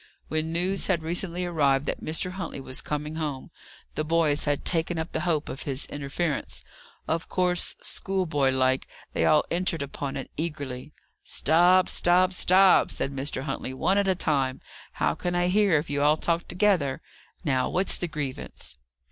When news had recently arrived that Mr. Huntley was coming home, the boys had taken up the hope of his interference. Of course, schoolboy like, they all entered upon it eagerly. "Stop, stop, stop!" said Mr. Huntley. "One at a time. How can I hear, if you all talk together? Now, what's the grievance?"